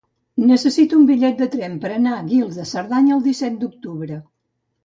Necessito un bitllet de tren per anar a Guils de Cerdanya el disset d'octubre.